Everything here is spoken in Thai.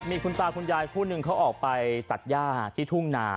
มีคุณตาคุณยายคู่หนึ่งเขาออกไปตัดย่าที่ทุ่งนา